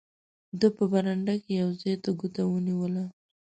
ده په برنډه کې یو ځای ته ګوته ونیوله.